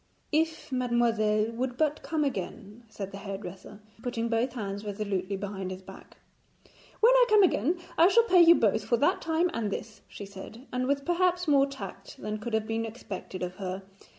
'If mademoiselle would but come again,' said the hairdresser, putting both hands resolutely behind his back. 'When I come again I shall pay you both for that time and this,' she said, with perhaps more tact than could have been expected of her.